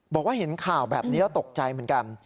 บอกว่าเห็นข่าวแบบนี้แล้วตกใจเหมือนกัน